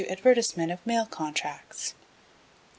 Advertisement of Mail Contracts. 6.